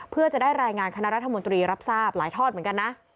เพื่อจะได้รายงานคณะรัฐมนตรีรับทราบหลายทอดเหมือนกันนะ